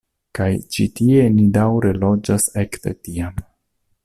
Kaj ĉi tie ni daŭre loĝas ekde tiam.